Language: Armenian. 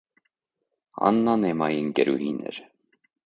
Աննան էմմայի ընկերուհին էր: